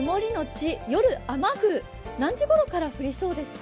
何時ごろから降りそうですか？